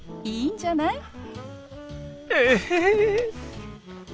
いいんじゃない？え！